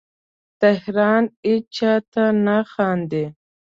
تهران هیچا ته نه خاندې